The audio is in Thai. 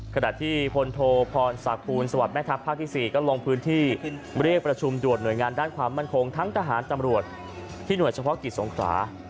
ขณะที่พลโทพรศักดิ์สวัสดิแม่ทัพภาคที่๔ก็ลงพื้นที่เรียกประชุมด่วนหน่วยงานด้านความมั่นคงทั้งทหารตำรวจที่หน่วยเฉพาะกิจสงขรา